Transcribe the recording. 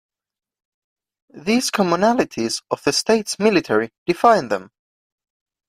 These commonalities of the state's military define them.